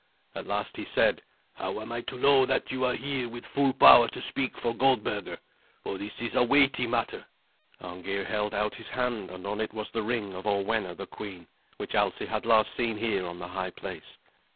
At last he said, "How am I to know that you are here with full power to speak for Goldberga? For this is a weighty matter." Arngeir held out his hand, and on it was the ring of Orwenna the queen, which Alsi had last seen here on the high place.